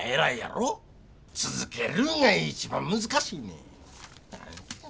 続けるんが一番難しいねん。